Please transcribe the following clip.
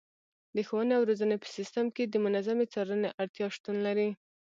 د ښوونې او روزنې په سیستم کې د منظمې څارنې اړتیا شتون لري.